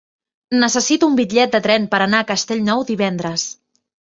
Necessito un bitllet de tren per anar a Castellnou divendres.